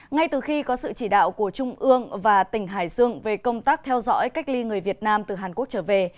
ngay từ khi có sự chỉ đạo của trung ương và tỉnh hải dương về công tác theo dõi cách ly người việt nam từ hàn quốc trở về